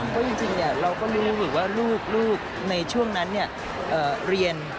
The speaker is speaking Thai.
เพราะจริงเราก็รู้สึกว่าลูกในช่วงนั้นเรียน